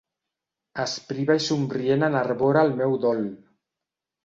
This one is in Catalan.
Aspriva i somrient enarbora el meu dol.